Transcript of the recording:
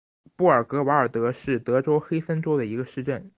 布尔格瓦尔德是德国黑森州的一个市镇。